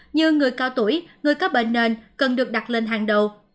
như người cao tuổi người có bệnh nền cần được đặt lên hàng đầu